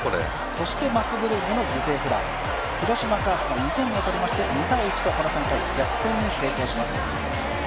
そしてマクブルームの犠牲フライ、広島カープが２点を取りまして、この回、逆転に成功しています。